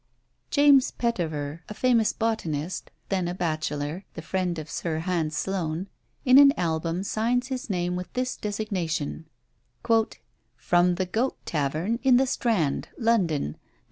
James Petiver, a famous botanist, then a bachelor, the friend of Sir Hans Sloane, in an album signs his name with this designation: "From the Goat tavern in the Strand, London, Nov.